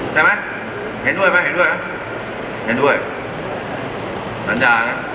ใช่ไหมเห็นด้วยไหมเห็นด้วยสัญญานะ